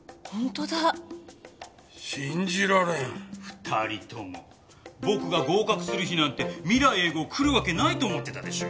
２人とも僕が合格する日なんて未来永劫くるわけないと思ってたでしょ。